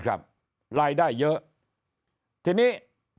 รายได้เยอะทีนี้